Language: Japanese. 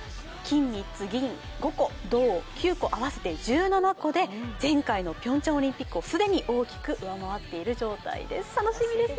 金３つ、銀５個、銅９個で合わせて１７個で前回のピョンチャンオリンピックを既に大きく上回っている状態です。